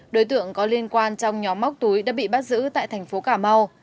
đối tượng có liên quan trong nhóm móc túi đã bị bắt giữ tại thành phố cà mau